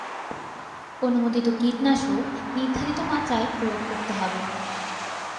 অনুমোদিত কীটনাশক নির্ধারিত মাত্রায় প্রয়োগ করতে হবে।